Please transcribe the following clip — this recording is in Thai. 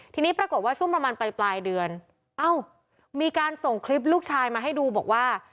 ทีนี้ปรากฏว่าช่วงประมาณปลายเดือนเอ้ามีการส่งคลิปลูกชายมาให้ดูบอกว่า